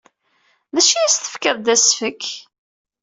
D acu ay as-tefkid d asefk?